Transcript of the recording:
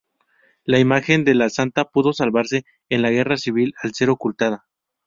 La imagen de la Santa pudo salvarse en la guerra civil al ser ocultada.